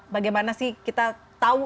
bagaimana sih kita tahu